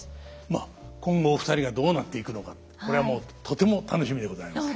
まあ今後お二人がどうなっていくのかってこれはもうとても楽しみでございます。